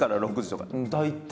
大体。